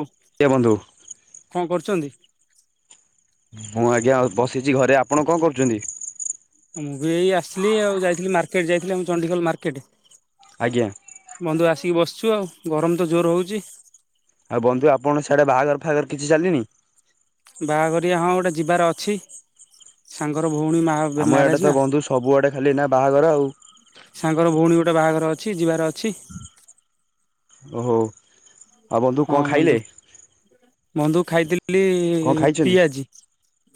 ଉଫ୍ ଏ ବନ୍ଧୁ? କଣ କରୁଛନ୍ତି? ମୁଁ ଆଜ୍ଞା ବସିଛି ଘରେ। ଆପଣ କଣ କରୁଛନ୍ତି? ମୁଁ ବି ଏଇ ଆସଥିଲି ଆଉ ଯାଇଥିଲି ମାର୍କେଟ ଯାଇଥିଲି। ଆମ ଚଡିଗଲ ମାର୍କେଟେ। ଆଜ୍ଞା। ବନ୍ଧୁ ଆସିକି ବସିଛୁ ଆଉ। ଗରମ ତ ଜୋରେ ହୋଉଚି। ଆଉ ବନ୍ଧୁ ଆପଣ ସିଆଡେ ବାହାଘର ଫାଘର କିଛି ଚାଲିନି? ବାହାଘରିୟା ହଁ ଗୋଟେ ଯିବାର ଅଛି। ସାଙ୍ଗର ଭଉଣୀ ମା ଆମ ଇଆଡ଼େ ମ୍ୟାରୋଜ ତ ନା। ବନ୍ଧୁ ସବୁଆଡ଼େ ଖାଲି ନା ବାହାଘର ଆଉ ସାଙ୍ଗର ଭଉଣୀ ଗୋଟେ ବାହାଘର ଅଛି ଯିବାର ଅଛି। ଓହୋ। ଆଉ ବନ୍ଧୁ ହଁ କଣ ବନ୍ଧୁ। ଖାଇଲେ? ବନ୍ଧୁ ଖାଇଥିଲି କଣ ଖାଇଛନ୍ତି ପିଆଜି।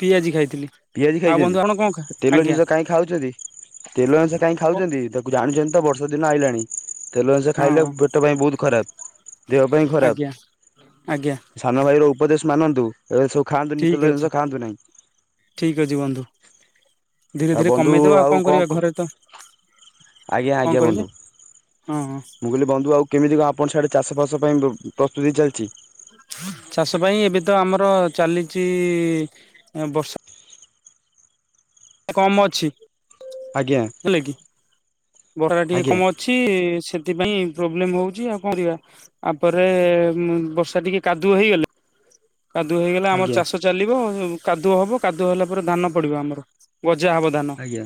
ପିଆଜି ଖାଇଥିଲି। ପିଆଜି ଆଉ ଖାଇଛନ୍ତି? ବନ୍ଧୁ ଆପଣ କଣ ଖା ତେଲ ଆଜ୍ଞା ଜିନିଷ କାଇଁ ଖାଉଛନ୍ତି। ତେଲ ଅଂଷ କାଇହିଁ ହଁ ଖାଉଛନ୍ତି। ତାକୁ ଜାଣିଛନ୍ତି ତ ବର୍ଷା ଦିନ ଆଇଲାଣି। ତେଲ ଜିନିଷ ଖାଇଲେ ପେଟ ପାଇଁ ବୋହୁତ୍ ଖରାପ। ଦେହ ପାଇଁ ଆଜ୍ଞା ଆଜ୍ଞା ଖରାପ। ସାନ ଭାଇ ର ଉପଦେଶ ମାନନ୍ତୁ ଏବେ ସବୁ ଖାଆନ୍ତୁନ ତେଲ ଜିନିଷ ଖାନ୍ତୁ ନାହିଁ। ଠିକ୍ ଅଛି ବନ୍ଧୁ। ଧୀରେ ଧୀରେ କମେଇଦବା ଆଉ କଣ କରିବା ଘରେ ତ ଆଜ୍ଞା, କଣ ଆଜ୍ଞା, କହିଲେ ବନ୍ଧୁ। ହଁ ହଁ। ମୁଁ କହିଲି ବନ୍ଧୁ ଆଉ କେମିତି କଣ ଆପଣଙ୍କ ସିଆଡେ ଚାଷ ଫାସ ପାଇଁ ପ୍ରସ୍ତୁତି ଚାଲିଛି? ଚାଷ ପାଇଁ ଏବେ ତ ଆମର ଚାଲିଛି। ବର୍ଷା କମ ଅଛି। ଆଜ୍ଞା, ହେଲା କି [unintelligible] ଟିକେ ଆଜ୍ଞା କମ ଅଛି, ସେଥିପାଇଁ ପ୍ରୋବ୍ଲେମ ହଉଛି ଆଉ କଣ କରିବା। ଆ ପରେ ବର୍ଷା ଟିକେ କାଦୁଅ ହେଇଗଲେ କାଦୁଅ ହେଇଗଲେ ଆମର ଆଜ୍ଞା ଚାଷ ଚାଲିବ, କାଦୁଅ ହବ, କାଦୁଅ ହେଲା ପରେ ଧାନ ପଡିବ ଆମର, ଗଜା ହବ ଧାନ। ଆଜ୍ଞା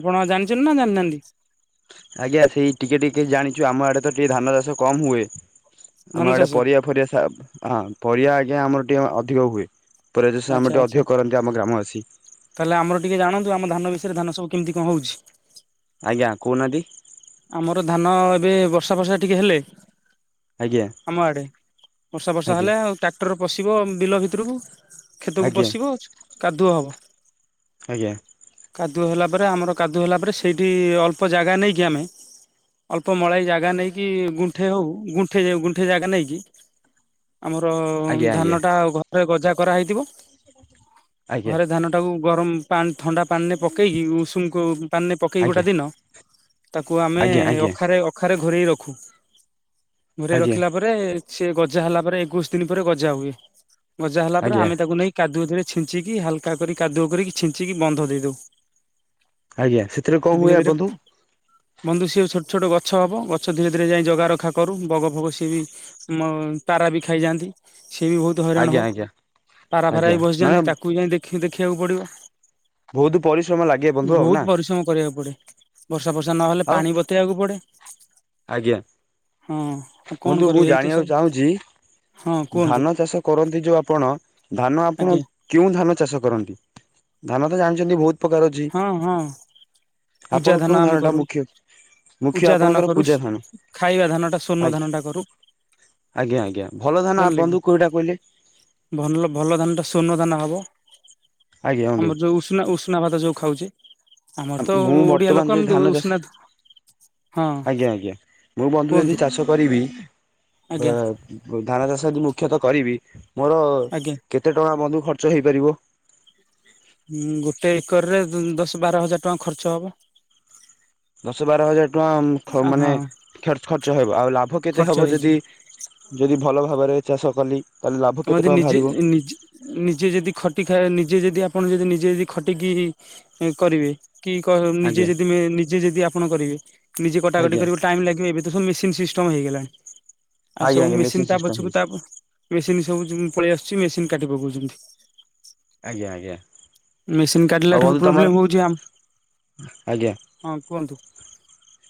ଆପଣ ଜାଣିଛନ୍ତି ନା ଜାଣିନାହାନ୍ତି? ଆଜ୍ଞା, ସେଇ ଟିକେ ଟିକେ ଜାଣିଛୁ। ଆମ ଆଡେ ତ ଟିକେ ଧାନ ଚାଷ କମ ହୁଏ। ଧାନ ଆମ ଆଡେ ଚାଷ ପରିବା ଫରିବା ହଁ ପରିବା ଆଜ୍ଞା ଆମର ଟିକେ ଅଧିକ ହୁଏ। ପରେ ଯ ସେ ଆଚ୍ଛା ଆମେ ଟିକେ ଆଚ୍ଛା ଅଧିକ କରନ୍ତି ଆମ ଗ୍ରାମବାସୀ। ତାହେଲେ ଆମର ଟିକିଏ ଜାଣନ୍ତୁ ଆମ ଧାନ ବିଷୟରେ ଧାନ ସବୁ କେମତି କଣ ହୋଉଚି। ଆଜ୍ଞା କୋହୁନାହାନ୍ତି। ଆମର ଧାନ ଏବେ ବର୍ଷା ଫର୍ଷା ଟିକେ ହେଲେ ଆଜ୍ଞା ଆମ ଆଡେ ବର୍ଷା ବର୍ଷା ଆଜ୍ଞା ହେଲେ ଆଉ ଟ୍ରାକ୍ଟର ପଶିବ ବିଲ ଭିତରକୁ। ଆଜ୍ଞା। କ୍ଷେତକୁ ଆଜ୍ଞା ପଶିବ କାଦୁଅ ହବ। ଆଜ୍ଞା। କାଦୁଅ ହେଲା ପରେ ଆମର କାଦୁଅ ହେଲା ପରେ ସେଇଠି ଅଳ୍ପ ଜାଗା ନେଇକି ଆମେ ଅଳ୍ପ ମଳାଏ ଜାଗା ନେଇକି ଗୁଣ୍ଠେ ହୋଉ ଗୁଣ୍ଠେ ଗୁଣ୍ଠେ ଜାଗା ନେଇକି ଆମର ଆଜ୍ଞା ଆଜ୍ଞା ଆଜ୍ଞା ଧାନ ଟା ଆ ଘରେ ଗଜା କରାହେଇଥିବ ଆଜ୍ଞା ଘରେ ଧାନ ତାକୁ ଗରମ ପାଣି ଥଣ୍ଡା ପାନିରେ ପକେଇକି ଉଷୁମ ପାନିରେ ପକେଇକି ଗୋଟେ ଦିନ ତାକୁ ଆମେ ଆଜ୍ଞା ଅଖାରେ ଅଖାରେ ଘୋରେଇ ରଖୁ ଆଜ୍ଞା ଘୋରେଇ ରଖିଲା ପରେ ସେ ଗଜା ହେଲା ପରେ ଏକୋଇଶି ଦିନ ପରେ ଗଜା ହୁଏ ଗଜା ହେଲା ପରେ ଆଜ୍ଞା ଆମେ ତାକୁ ନେଇ କାଦୁଅ ରେ ଛିଞ୍ଚିକି ହାଲକା କରି କାଦୁଅ କରିକି ଛିଞ୍ଚିକି ବନ୍ଧ ଦେଇଦଉ। ଆଜ୍ଞା ସେଥିରେ ସେ କଣ ଧୀରେ ହୁଏ ଧୀରେ ବନ୍ଧୁ। ବନ୍ଧୁ ସିଏ ଛୋଟ ଛୋଟ ଗଛ ହବ ଗଛ ଧୀରେ ଧୀରେ ଯାଇ ଜଗା ରଖା କରୁ ବଗ ଫଗ ସିଏ ବି ମ ତାରା ବି ଖାଇଯାଆନ୍ତି ସେ ବି ବୋହୁତ୍ ତୁ ହଇରାଣ ଆଜ୍ଞା ହଉ ଆଜ୍ଞା ପାରା ଫାରା ଆଜ୍ଞା ହେଇ ମାନେ ବସିଯାନ୍ତି ତାକୁ ଯାଇ ଦେଖିବାକୁ ପଡିବ। ବହୁତ ପରିଶ୍ରମ ଲାଗେ ବନ୍ଧୁ ଆଉ ନା ବୋହୁତ ପରିଶ୍ରମ କରିବାକୁ ପଡେ। ବର୍ଷା ଫର୍ଷା ନହେଲେ ଆଉ ପାଣି ବତେଇବାକୁ ପଡେ। ଆଜ୍ଞା ହଁ ଆଉ କଣ ବନ୍ଧୁ ମୁଁ କରିବେ ଏଇତ ଜାଣିବାକୁ ସବୁ ଚାହୁଁଛି ହଁ କୁହନ୍ତୁ ଧାନ ଚାଷ କରନ୍ତି ଯୋଉ ଆପଣ ଧାନ ଆପଣ ଆଜ୍ଞା କେଉଁ ଧାନ ଚାଷ କରନ୍ତି ଧାନ ତ ଜାଣିଛନ୍ତି ବୋହୁତ ଉପକାର ଅଛି ହଁ ହଁ ପୂଜା ଆପଣ କୋଉ ଆମେ ଧାନ ଟା ମୁଖ୍ୟ ମୁଖ୍ୟ ଆପଣଙ୍କର ରୁଷ୍ ପୂଜା ଧାନ। ଖାଇବା ଧାନ ଟା ସ୍ଵର୍ଣ ଆଜ୍ଞା ଧାନ ଟା କରୁ। ଆଜ୍ଞା ଆଜ୍ଞା ଭଲ ଧାନ ଆ ଜାଣିଲେ କି ବନ୍ଧୁ କୋଉଟା କଇଲେ। ଭଲ ଭଲ ଧାନ ଟା ସ୍ଵଣ୍ଣ ଧାନ ହବ ଆଜ୍ଞା ବନ୍ଧୁ। ଆମର ଯୋଉ ଉଷ୍ଣା ଉଷ୍ଣନା ଭାତ ଯୋଉ ଖାଉଚେ ଆମର ତ ମୁଁ ଓଡିଆ ବର୍ତ୍ତମାନ ଲୋକ ଯଦି ଏମତି ଧାନ ଚାଷ ଉଷ୍ନା ଆଜ୍ଞା ଆଜ୍ଞା ମୁଁ ବନ୍ଧୁ କୁହନ୍ତୁ। ଜଦି ଚାଷ କରିବି ଏ ଆଜ୍ଞା ଧାନ ଚାଷ ଯଦି ମୁଖ୍ୟତଃ କରିବି ମୋର ଆଜ୍ଞା କେତେ ଟଙ୍କା ବନ୍ଧୁ ଖର୍ଚ୍ଚ ହେଇପାରିବ। ହୁଁ ଗୋଟେ ଏକରରେ ଦଶ ବାର ହଜାର ଟଙ୍କା ଖର୍ଚ୍ଚ ହବ। ଦଶ ବାର ହଜାର ଟଙ୍କା ଖ ଆ, ହଁ ମାନେ ଖର୍ଚ୍ଚ ହେବ ଆଉ ଲାଭ କେତେ ଖର୍ଚ୍ଚ ହବ ହେଇଯିବ ଯଦି ଯଦି ଭଲ ଭାବରେ ଚାଷ କଲି। ତାହେଲେ ଲାଭ ତମ କେତେ ଯେ ଟଙ୍କା ନିଜେ ବାହାରିବ? ନିଜେ ନିଜେ ଯଦି ଖଟି ଖା ନିଜେ ଯେଦି ଆପଣ ଯଦି ନିଜେ ଯଦି ଖଟିକି କରିବେ। କି କହ ଆଜ୍ଞା ନିଜେ ଯଦି ମେ ନିଜେ ଯଦି ଆପଣ କରିବେ। ନିଜେ କଟାକଟି ଆଜ୍ଞା କରିବୁ ଟାଇମ୍ ଲାଗିବ ଏବେ ତ ସବୁ ମେସିନ୍ ସିଷ୍ଟମ ହେଇଗଲାଣି। ଆଉ ଆଜ୍ଞା ସବୁ ଆଜ୍ଞା ମେସିନ୍ ତା ସିଷ୍ଟମ୍ ପଛକୁ ହେଇଛି ତା ମେସିନ୍ ସବୁ ଯିମ୍ ପଳେଇ ଆସୁଛି ମେସିନ୍ କାଟି ପକଉଛନ୍ତି। ଆଜ୍ଞା ଆଜ୍ଞା ମେସିନ୍ ଆଉ କାଟିଲା ଠାରୁ ବନ୍ଧୁ ତମର ପ୍ରୋବ୍ଲେମ ହଉଛି ଆମ୍ ଆଜ୍ଞା ହଁ କୁହନ୍ତୁ।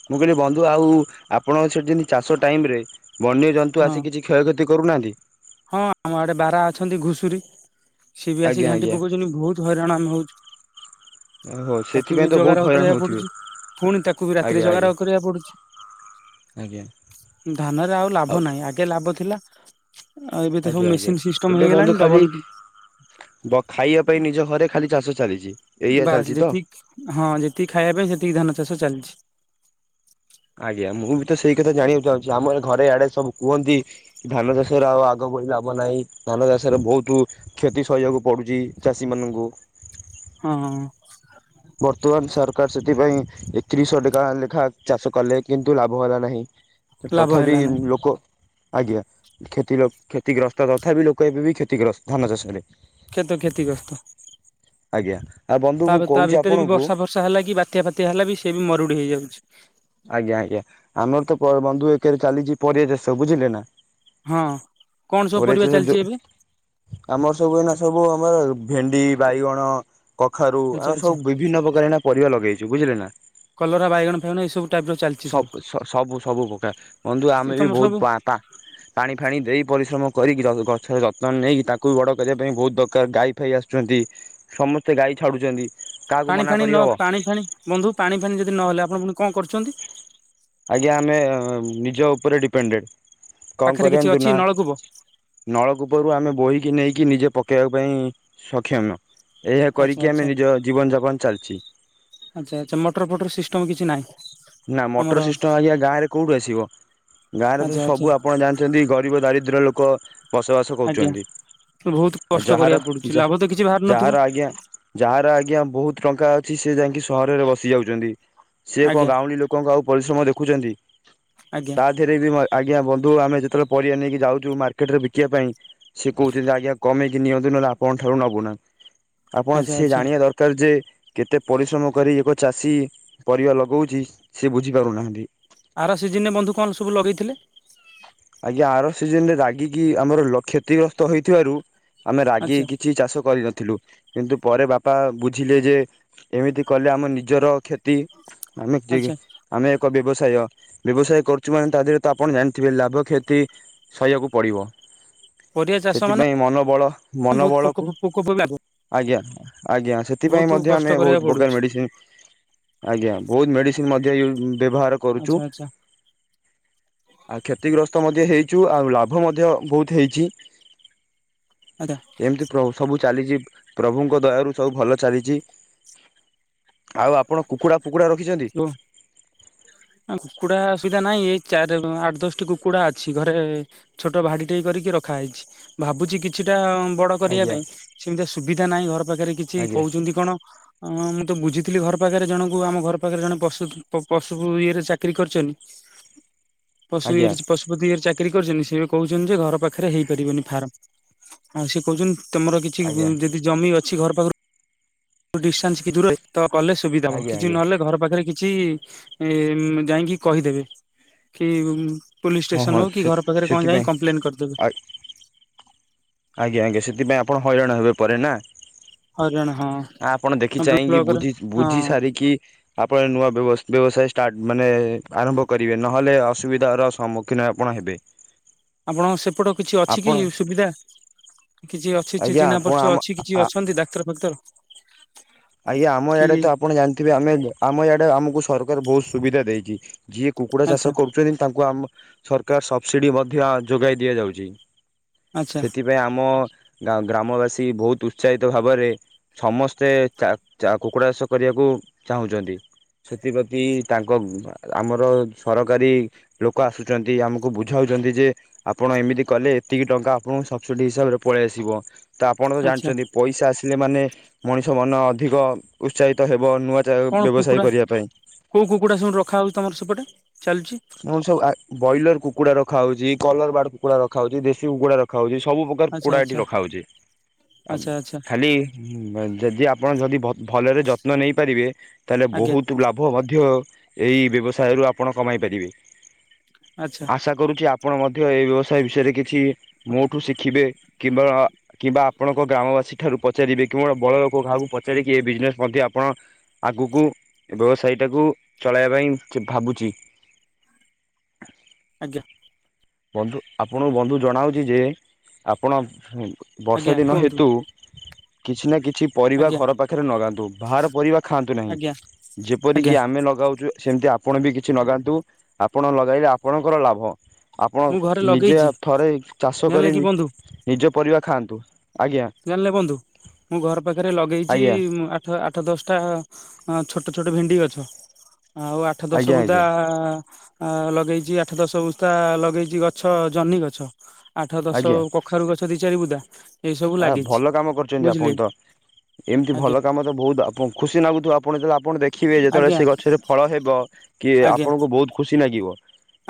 ମୁଁ କହିଲି ବନ୍ଧୁ ଆଉ ଆପଣକ ସେଠି ଯେମିତି ଚାଷ ଟାଇମରେ ବନ୍ୟଜନ୍ତୁ ହଁ ଆସି କିଛି କ୍ଷୟକ୍ଷତି କରୁନାହାନ୍ତି? ହଁ ଆମ ଆଡ଼େ ବାରା ଅଛନ୍ତି ଘୁଷୁରୀ, ସିଏ ବି ଆସି ଆଜ୍ଞା ଘାଣ୍ଟି ଆଜ୍ଞା ପକଉଛନ୍ତି ବହୁତ ହଇରାଣ ଆମେ ହଉଛୁ। ଓହୋ ତାକୁ ସେଥିପାଇଁ ବି ତ ବହୁତ ଜଗାରଖ ହଇରାଣ କରିବାକୁ ହଉଥିବେ ପଡୁଛି, ଫୁଣି ତାକୁ ବି ରାତିରେ ଆଜ୍ଞା ଆଜ୍ଞା ଜଗାରଖ କରିବାକୁ ପଡୁଛି। ଆଜ୍ଞା। ଧାନରେ ଆଉ ଲାଭ ନାହିଁ ଆଗେ ଲାଭ ଥିଲା। ଆଉ ଏବେ ତ ସବୁ ଆଜ୍ଞା ଆଜ୍ଞା, ମେସିନ ସିଷ୍ଟମ ଏବେ ହେଇଗଲାଣି ବନ୍ଧୁ ଡବଲ ଖାଲି ବ ଖାଇବା ପାଇଁ ନିଜ ଘରେ ଖାଲି ଚାଷ ଚାଲିଚି, ଏଇଆ ବାସ୍ ଚାଲିଛି ତ? ଯେତିକି ହଁ ଯେତିକି ଖାଇବା ପାଇଁ ସେତିକି ଧାନ ଚାଷ ଚାଲିଛି। ଆଜ୍ଞା ମୁଁ ବି ତ ସେଇ କଥା ଜାଣିବାକୁ ଚାହୁଁଛି ଆମର ଘରେ ଏଆଡେ ସବୁ କୁହନ୍ତି। ଧାନ ଚାଷରେ ଆଉ ଆଗ ଭଳି ଲାଭ ନାହିଁ, ଧାନ ଚାଷରେ ବହୁତ କ୍ଷତି ସହିବାକୁ ପଡୁଚି ଚାଷୀମାନଙ୍କୁ। ହଁ, ହଁ। ବର୍ତ୍ତମାନ ସରକାର ସେଥିପାଇଁ ଏକତିରିଶହ ଟେକା ଲେଖା ଚାଷ କଲେ କିନ୍ତୁ ଲାଭ ହେଲା ନାହିଁ। ଲାଭ ତଥାବି ହେଲା ନାହିଁ। ଲୋକ ଆଜ୍ଞା କ୍ଷତି ଲୋକ କ୍ଷତିଗ୍ରସ୍ତ ତଥାପି ଲୋକ ଏବେବି କ୍ଷତିଗ୍ରସ୍ତ ଧାନ ଚାଷରେ। ଖେତ କ୍ଷେତି ଗ୍ରସ୍ତ। ଆଜ୍ଞା ଆଉ ବନ୍ଧୁ ମୁଁ ତା କହୁଛି ଭିତରେ ବି ଆପଣଙ୍କୁ ବର୍ଷା ହେଲା କି ବାତ୍ୟା ଫାତ୍ୟା ହେଲା ବି ସିଏ ବି ମରୁଡି ହେଇଯାଉଛି। ଆଜ୍ଞା ଆଜ୍ଞା, ଆମର ତ ପ ବନ୍ଧୁ ଏକରେ ଚାଲିଛି ପରିବାଚାଷ ବୁଝିଲେ ନା? ହଁ କଣ ସବୁ ପରିବା ପରିବାଚାଷ ଚାଲିଛି ଯୋଉ ଏବେ ଆମର ସବୁ ଏନା ସବୁ ଆମର ଭେଣ୍ଡି, ବାଇଗଣ କଖାରୁ ଆଚ୍ଛା ଆମେ ସବୁ ଆଚ୍ଛା ବିଭିନ୍ନ ପ୍ରକାର ଏଇନା ପରିବା ଲଗେଇଛୁ ବୁଝିଲେ ନା। କଲରା ବାଇଗଣ ଫାଇଗଣ ଏଇ ସବୁ ଟାଇପ ର ଚାଲିଛି ସବ୍ ସବୁ ସ ସବୁ ସବୁ ପ୍ରକାର ବନ୍ଧୁ ଆମେ ଏ ବି ତମର ବହୁତ ସବୁ ପାତା ପାଣି ଫାଣି ଦେଇ ପରିଶ୍ରମ କରିକି ଗଛର ଯତ୍ନ ନେଇକି ତାକୁ ବି ବଡ଼ କରିବା ପାଇଁ ବହୁତ ଦରକାର ଗାଈ ଫାଇ ଆସୁଛନ୍ତି। ସମସ୍ତେ ଗାଈ ଛାଡୁଛନ୍ତି। ପାଣି ଫାଣି ନ ପାଣି ଫାଣି ବନ୍ଧୁ ପାଣି ଫାଣି ଯଦି ନହେଲେ ଆପଣ ପୁଣି କଣ କରୁଛନ୍ତି? ଆଜ୍ଞା ଆମେ ନିଜ ଉପରେ ଡିପେଣ୍ଡେଡ଼, କଣ ପାଖରେ କିଛି କରନ୍ତୁ ଅଛି ନା ନଳକୂପ? ନଳକୂପରୁ ଆମେ ବୋହିକି ନେଇକି ନିଜେ ପକେଇବା ପାଇଁ ସକ୍ଷମ। ଏଇଆ ଆଚ୍ଛା କରିକି ଆମେ ଆଚ୍ଛା ନିଜ ଜୀବନ ଯାପନ ଚାଲିଚି। ଆଚ୍ଛା ଆଚ୍ଛା ମଟର ଫଟର ସିଷ୍ଟମ୍ କିଛି ନାହିଁ? ନା ଆମର ମୋଟର ସିଷ୍ଟମ ଆଜ୍ଞା ଗାଁରେ କୋଉଠୁ ଆସିବ? ଗାଁରେ ତ ଆଚ୍ଛା ଆଚ୍ଛା ସବୁ ଆପଣ ଜାଣ ଛନ୍ତି ଗରିବ ଦାରିଦ୍ର୍ୟ ଲୋକ ବସବାସ ଆଜ୍ଞା କରୁଛନ୍ତି, ବହୁତ ଆଉ କଷ୍ଟ ଯାହାର କରିବାକୁ ପଡୁଛି ଯା ଲାଭ ତ କିଛି ବାହାରୁ ନଥିବ ଯାହାର ଆଜ୍ଞା ଯାହାର ଆଜ୍ଞା ବହୁତ ଟଙ୍କା ଅଛି ସେ ଯାଇଙ୍କି ସହରରେ ବସି ଯାଉଛନ୍ତି, ସେ କଣ ଆଜ୍ଞା ଗାଉଁଲି ଲୋ କଙ୍କ ଆଉ ପରିଶ୍ରମ ଦେଖୁଛନ୍ତି। ଆଜ୍ଞା। ଥେରେ ବି ଆଜ୍ଞା ବନ୍ଧୁ ଆମେ ଯେତେବେଳେ ପରିବା ନେଇକି ଯାଉଛୁ ମାର୍କେଟରେ ବିକିବା ପାଇଁ ସିଏ କହୁଚନ୍ତି ଆଜ୍ଞା କମେଇକି ନିଅନ୍ତୁ ନହେଲେ ଆପଙ୍କ ଠାରୁ ନବୁ ନାହୁଁ। ଆପଣ ଆଚ୍ଛା ସିଏ ଆଚ୍ଛା ଜାଣିବା ଦରକାର ଯେ କେତେ ପରିଶ୍ରମ କରି ଏକ ଚାଷୀ ପରିବା ଲଗଉ ଛି ସେ ବୁଝିପାରୁନାହାନ୍ତି। ଆରା ସିଜନରେ ବନ୍ଧୁ କଣ ସବୁ ଲଗେଇଥିଲେ? ଆଜ୍ଞା ଆର ସିଜନ ରେ ରାଗିକି ଆମର ଲ କ୍ଷତିଗ୍ରସ୍ତ ହେଇଥିବାରୁ ଆମେ ରାଗିକି ଆଚ୍ଛା କିଛି ଚାଷ କରିନଥିଲୁ। କିନ୍ତୁ ପରେ ବାପା ବୁଝିଲେ ଯେ ଏମିତି କଲେ ଆମ ନିଜର କ୍ଷତି ଆମେ କି ଆଚ୍ଛା ଆମେ ଏକ ବ୍ୟବସାୟ ବ୍ୟବସାୟ କରୁଚୁ ମାନେ ତା ଦେହରେ ତ ଆପଣ ଜାଣିଥିବେ ଲାଭ କ୍ଷତି ସହିବାକୁ ପଡ଼ିବ। ପରିବା ଚାଷ ମାନେ ସେଥିପାଇଁ ମନବଳ ବହୁତ ପୋକ ମନବଳକୁ ପୋକ ବି ଲାଗୁ, ଆଜ୍ଞା ଆଜ୍ଞା। ସେଥିପାଇଁ ବହୁତ ମଧ୍ୟ କଷ୍ଟ ଆମେ କରିବାକୁ ବହୁତ ପ୍ରକାର ପଡୁଛି ମେଡିସିନ ଆଜ୍ଞା ବହୁତ ମେଡିସିନ ମଧ୍ୟ ୟୁ ବ୍ୟବହାର ଆଚ୍ଛା କରୁଚୁ। ଆଚ୍ଛା ଆଉ କ୍ଷତି ଗ୍ର ତ ମଧ୍ୟ ହେଇଚୁ ଆଉ ଲାଭ ମଧ୍ୟ ବହୁତ ହେଇଚି। ଆଜ୍ଞା। ଏମତି ପ୍ର ସବୁ ଚାଲିଚି ପ୍ରଭୁଙ୍କ ଦୟାରୁ ସବୁ ଭଲ ଚାଲିଚି। ଆଉ ଆପଣ କୁକୁଡ଼ା ଫୁକୁଡ଼ା ରଖିଚନ୍ତି? [inaudible] ଏ କୁକୁଡା ସୁବିଧା ନାହିଁ, ଏଇ ଚାରି ଆଠ ଦଶଟି କୁକୁଡା ଅଛି ଘରେ। ଛୋଟ ଭାଡି ଟେ କରିକି ରଖା ହେଇଚି। ଭାବୁଚି କିଛିଟା ବଡ କରିବା ଆଜ୍ଞା ପାଇଁ, ସେମିତିଆ ସୁବିଧା ନାହିଁ ଘର ପାଖରେ କିଛି ଆଜ୍ଞା କହୁଚନ୍ତି କଣ ହଁ ମୁଁ ତ ବୁଝିଥିଲି ଘର ପାଖରେ ଜଣଙ୍କୁ ଆମ ଘ ପାଖରେ ଜଣେ ପଶୁ ପ -ପଶୁ ଇଏରେ ଚାକିରି କରିଚନ୍ତି। ପଶୁ ଆଜ୍ଞା ଇଏରେ ପସ ଧେ ଇଏ ରେ ଚାକିରି କରିଚନ୍ତି, ସେ କହୁଚନ୍ତି ଯେ ଘର ପାଖରେ ହେଇପାରିବନି ଫାର୍ମ। ଆଉ ସେ କହୁଚନ୍ତି ତମର କିଛି ଆଜ୍ଞା ଯଦି ଜମି ଅଛି ଘର ପାଖରୁ ଡିଷ୍ଟାନ୍ସ କି ଦୂରରେ ତ କଲେ ସୁବିଧା ହବ। ଆଜ୍ଞା କିଛି ଆଜ୍ଞା। ନହଲେ ଘର ପାଖରେ କିଛି ଯାଇକି କହିଦେବେ କି ପୋଲିସ ହଁ ଷ୍ଟେସନ ହଁ ହଉ କି ସେ ଘର ପାଖରେ କଣ ଯାଇ ସେଥିପାଇଁ କଂପ୍ଲେନ୍ କରିଦେବେ। ଆ ଆଜ୍ଞା ଆଜ୍ଞା ସେଥିପାଇଁ ଆପଣ ହଇରାଣ ହେବେ ପରେ ନା? ହଇରାଣ ହଁ ହ ଆପଣ ଦେଖି ଚାହିଁକି ବ୍ଲକର ବୁଝି ହଁ ବୁଝି ସାରିକି ଆପଣ ନୂଆ ବ୍ୟବ ବ୍ୟବସାୟ ଷ୍ଟାର୍ଟ ମାନେ ଆରମ୍ଭ କରିବେ ନହେଲେ ଅସୁବିଧାର ସମ୍ମୁ ଖିନ ଆପଣ ହେବେ। ଆପଣଙ୍କ ସେପଟ କିଛି ଅଛି କି ଆପଣ ସୁବିଧା? କିଛି ଅଛି ଚି ଆଜ୍ଞା ଚିନା ଆପଣ ପରିଚୟ ଆମ ଅଛି କିଛି ଆ ଅଛନ୍ତି ଡାକ୍ତର ଫାକ୍ତର? ଆଜ୍ଞା ଆମ କି ୟାଡେ ତ ଆପଣ ଜାଣିଥିବେ ଆମେ ଆମ ଆଡେ ଆମକୁ ସରକାର ବହୁତ ସୁବିଧା ଦେଇଚି। ଯିଏ କୁକୁଡ଼ା ଆଚ୍ଛା ଚାଷ କରୁ ଛନ୍ତି ତାଙ୍କୁ ଆମ ସରକାର ସବସିଡ଼ି ମଧ୍ୟ ଯୋଗାଇ ଦିଆଯାଉଚି। ଆଚ୍ଛା ସେଠି ରେ ଆମ ଗା ଗ୍ରାମବାସୀ ବହୁତ ଉତ୍ସାହିତ ଭାବରେ ସମସ୍ତେ ଚା ଚା କୁକୁଡ଼ା ଚାଷ କରିବାକୁ ଚାହୁଁଚନ୍ତି। ସେଥିପ୍ରତି ତାଙ୍କ ଆମର ସରକାରୀ ଲୋକ ଆସୁଚନ୍ତି। ଆମକୁ ବୁଝାଉଚନ୍ତି ଯେ ଆପଣ ଏମିତି କଲେ ଏତିକି ଟଙ୍କା ଆପଣଙ୍କୁ ସବସିଟି ହିସାବରେ ପଳେଇ ଆସିବ। ତ ଆପଣ ତ ଆଚ୍ଛା ଜାଣିଚନ୍ତି ପଇସା ଆସିଲେ ମାନେ ମଣିଷ ମନ ଅଧିକ ଉତ୍ସାହିତ ହେବ। ନୂଆ କଣ ବ୍ୟବସାୟ କୁକୁଡ଼ା କରିବା ପାଇଁ କୋଉ କୁକୁଡା ସବୁ ରଖା ହଉଚି ତମର ସେପଟେ ଚାଲିଚି? ହଁ ସବୁ ଆ ବ୍ରଏଲର କୁକୁଡା ରଖାହଉଚି କଲର ବାର୍ଡ କୁକୁଡା ରଖାହଉଚି ଦେଶୀ କୁକୁଡା ରଖାହଉଚି ସବୁ ଆଚ୍ଛା କୁକୁଡା ଏଠି ଆଚ୍ଛା ରଖାହେଉଛି ଆଉ ଆଚ୍ଛା ଆଚ୍ଛା ଖାଲି ହୁଁ ଯଦି ଆପଣ ଯଦି ଭଲରେ ଯତ୍ନ ନେଇପାରିବେ ତାହେଲେ ଆଜ୍ଞା ବହୁତ ଲାଭ। ପୁଅ ମଧ୍ୟ ଏହି ବ୍ୟବସାୟରୁ ଆପଣ କମାଇ ପାରିବେ। ଆଚ୍ଛା ଆଶା କରୁଛି ଆପଣ ମଧ୍ୟ ଏ ବ୍ୟବସାୟ ବିଷୟରେ କିଛି ମୋଠୁ ଶିଖିବେ କିମ୍ବା କିମ୍ବା ଆପଣଙ୍କ ଗ୍ରାମବାସୀ ଠାରୁ ପଚାରିବେ କି ବଡ ଲୋକ କାହାକୁ ପଚାରିକି ଏ ବିଜନେସ ମଧ୍ୟ ଆପଣ ଆଗକୁ ବ୍ୟବସାୟୀଟାକୁ ଚଳାଇବା ପାଇଁ ଭାବୁଛି। ଆଜ୍ଞା। ବନ୍ଧୁ ଆପଣଙ୍କୁ ବନ୍ଧୁ ଜଣାଉଛି ଯେ ଆପଣ ବର୍ଷା ଆଜ୍ଞା ଦିନ କୁହନ୍ତୁ ହେତୁ କିଛି ନା କିଛି ପରିବା ଆଜ୍ଞା ଘର ପାଖରେ ଲଗାନ୍ତୁ ବାହାର ପରିବା ଖାଆନ୍ତୁ ନାହିଁ ଆଜ୍ଞା ଆଜ୍ଞା ଯେପରିକି ଆମେ ଲଗାଉଛୁ ସେମିତି ଆପଣ ବି କିଛି ଲଗାନ୍ତୁ ଆପଣ ଲଗାଇଲେ ଆପଣଙ୍କର ଲାଭ। ଆପଣ ମୁଁ ଘରେ ନିଜେ ଲଗେଇଛି ଥରେ ଚାଷ ଜାଣିଲେ କରି କି ବନ୍ଧୁ ନିଜ ପରିବା ଖାଆନ୍ତୁ। ଆଜ୍ଞା ଜାଣିଲେ ବନ୍ଧୁ ମୁଁ ଘର ପାଖରେ ଲଗେଇଛି ଆଜ୍ଞା ଆ ଆଠ ଦଶଟା ଛୋଟ ଛୋଟ ଭେଣ୍ଡି ଗଛ ଆଉ ଆଠ ଆଠ ଦଶ ଆଜ୍ଞା ବୁଦା ଆଜ୍ଞା ଆ ଲଗେଇଚି ଆଠ ଦଶ ବୁଦା ଲଗେଇଛି ଗଛ ଜହ୍ନି ଗଛ ଆଠ ଦଶ ଆଜ୍ଞା କ କଖାରୁ ଗଛ ଦି ଚାରିି ବୁଦା। ଏଇ ସବୁ ଆ ଲାଗିଛି ଭଲ କାମ କରିୁଛନ୍ତି ବୁଝିଲେ ଆପଣ ତ ଏମିତି ଆଜ୍ଞା ଭଲ କାମ ତ ବହୁତ ଆପଣଙ୍କୁ ଖୁସି ଲାଗୁଥିବ ଆପଣ ଆପଣ ଦେଖିବେ ଯେତେବେଳେ ଆଜ୍ଞା ସେ ଗଛରେ ଫଳ ହେବ କି ଆଜ୍ଞା ଆପଣଙ୍କୁ ବହୁତ ଖୁସି ଲାଗିବ।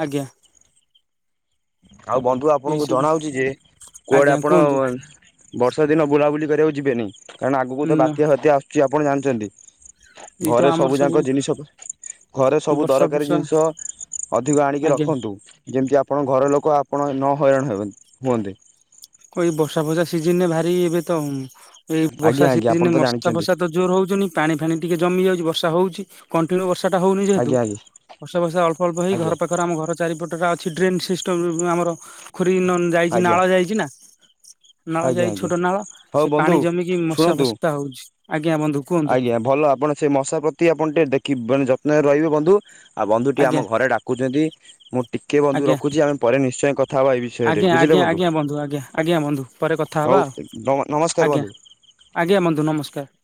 ଆଜ୍ଞା। ଆଉ ବନ୍ଧୁ ଏଇ ଆପଣଙ୍କୁ ସବୁ ଜଣାଉଛି ଯେ କୁଆଡେ ଆଜ୍ଞା ଆପଣ କୁହନ୍ତୁ ବର୍ଷା ଦିନ ବୁଲାବୁଲି କରିବାକୁ ଯିବେନି କାରଣ ଆଗକୁ ତ ହୁଁ ବାତ୍ୟା- ବାତ୍ୟା ଆସୁଛି ଆପଣ ଜାଣିଛନ୍ତି। ଏଇ ତ ଘରେ ଆମର ସବୁ ଯାକ ଜିନିଷ ଘରେ ସବୁ ବର୍ଷା ଦରକାରୀ ବର୍ଷା ଜିନିଷ ଅଧିକ ଆଣିକି ଆଜ୍ଞା ରଖନ୍ତୁ। ଯେମିତି ଆପଣଙ୍କ ଘର ଲୋକ ଆପଣ ନ ହଇରାଣ ହେବେନି ହୁଅନ୍ତେ। କ ଏଇ ବର୍ଷା ଫଷା ସିଜନରେ ଭାରି ଏବେ ତ ଏଇ ବର୍ଷା ଆଜ୍ଞା ଆଜ୍ଞା ଆପଣ ସିଜନରେ ତ ମଶା ଜାଣିଛନ୍ତି ଫସା ତ ଜୋର ହଉଛନ୍ତି ପାଣି ଫାଣି ଟିକେ ଜମି ଯାଉଛି ବର୍ଷା ହଉଛି। କଣ୍ଟିନ୍ୟୁ ବର୍ଷାଟା ହେଉନି ଯେହେତୁ ଆଜ୍ଞା ଆଜ୍ଞା ବର୍ଷା ବର୍ଷା ଅଳ୍ପ ଅଳ୍ପ ହେଇ ଆଜ୍ଞା ଘର ପାଖରେ ତାର ଆମ ଘର ଚାରିପଟଟା ଅଛି ଡ୍ରେନ୍ ସିଷ୍ଟମ୍ ଆମର ଖରି ଯାଇଛି ଆଜ୍ଞା ନାଳ ଯାଇଛି ନା। ନାଳ ଆଜ୍ଞା ଯାଇଛି ଆଜ୍ଞା ଛୋଟ ନାଳ ହଉ ସେ ବନ୍ଧୁ ପାଣି ଜମିକି ମଶା ଶୁଣନ୍ତୁ ଫସା ହଉଛି ଆଜ୍ଞା ବନ୍ଧୁ। କୁହନ୍ତୁ ଆଜ୍ଞା ଭଲ ଆପଣ ସେ ମଶା ପ୍ରତି ଆପଣ ଟିକେ ଦେଖିବେ ମାନେ ଯତ୍ନରେ ରହିବେ ବନ୍ଧୁ। ଆଉ ବନ୍ଧୁ ଟିକେ ଆଜ୍ଞା ଆମ ଘରେ ଡାକୁଛନ୍ତି ମୁଁ ଟିକେ ବନ୍ଧୁ ଆଜ୍ଞା ରଖୁଛି ଆମେ ପରେ ନିଶ୍ଚୟ କଥାହେବା ଏ ବିଷୟ ଆଜ୍ଞା ଆଜ୍ଞା ଆଜ୍ଞା ବନ୍ଧୁ ଆଜ୍ଞା ଆଜ୍ଞା ବନ୍ଧୁ ପରେ କଥା ହଉ ହବା ଆଉ ନମସ୍କାର ବନ୍ଧୁ। ଆଜ୍ଞା। ଆଜ୍ଞା ବନ୍ଧୁ ନମସ୍କାର।